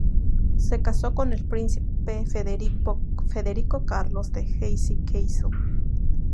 Se casó con el príncipe Federico Carlos de Hesse-Kassel.